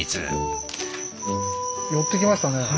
寄ってきましたね。